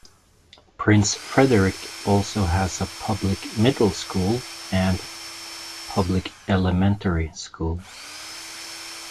Prince Frederick also has a public middle school and public elementary school.